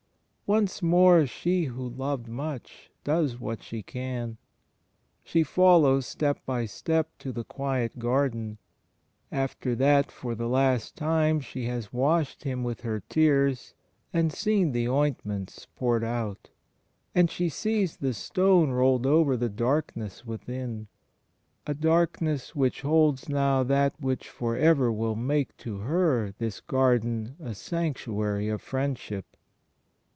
Once more she who "lovedmuch," " does what she can." She follows, step by step, to the quiet garden, after that for the last time she has washed Him with her tears and seen the ointments poured out; and she sees the stone rolled over the darkness within — a darkness which holds now that which for ever will make to her this garden a sanctuary of friendship.